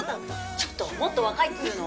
ちょっともっと若いっつーの。